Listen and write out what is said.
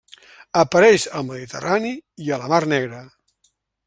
Apareix al Mediterrani i a la Mar Negra.